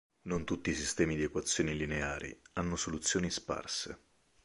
Non tutti i sistemi di equazioni lineari hanno soluzioni sparse.